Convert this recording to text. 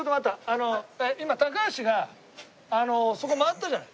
あの今高橋がそこ回ったじゃん。